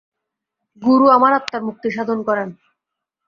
গুরু আমার আত্মার মুক্তিসাধন করেন।